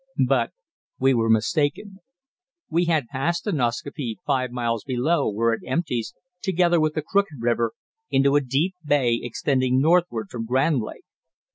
But we were mistaken. We had passed the Nascaupee five miles below, where it empties, together with the Crooked River, into a deep bay extending northward from Grand Lake.